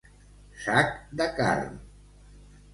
Sac de carn.